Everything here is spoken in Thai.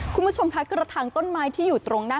คุณผู้ชมคะกระถางต้นไม้ที่อยู่ตรงหน้า